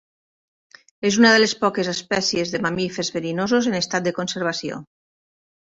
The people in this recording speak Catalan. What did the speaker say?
És una de les poques espècies de mamífers verinosos en estat de conservació.